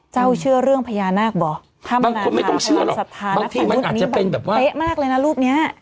เจ้าเชื่อเรื่องพญานาคบ่บางคนไม่ต้องเชื่อหรอกบางทีมันอาจจะเป็นแบบว่าเป๊ะมากเลยนะรูปเนี้ย